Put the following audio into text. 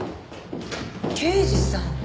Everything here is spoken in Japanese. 刑事さん。